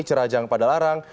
cerajang pada larang